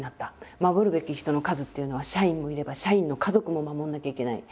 守るべき人の数っていうのは社員もいれば社員の家族も守んなきゃいけない。